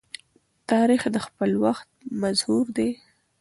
تاریخ د خپل وخت مظهور دی.